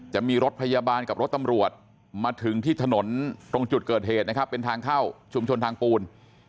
จะมีรถพยาบาลกับรถตำรวจมาถึงที่ถนนตรงจุดเกิดเหตุนะครับเป็นทางเข้าชุมชนทางปูน